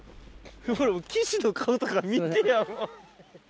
岸の顔とか見てあの。